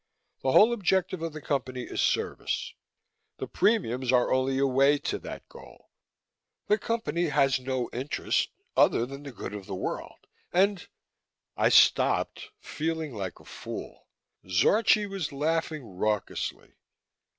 The whole objective of the Company is service; the premiums are only a way to that goal. The Company has no interest other than the good of the world, and " I stopped, feeling like a fool. Zorchi was laughing raucously.